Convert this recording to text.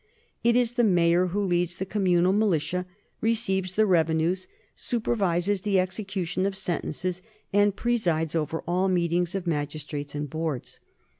It is the mayor who leads the communal militia, receives the revenues, supervises the execution of sentences, and presides over all meetings of magistrates and boards.